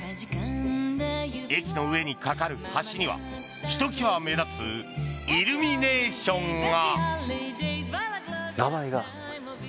駅の上に架かる橋にはひときわ目立つイルミネーションが。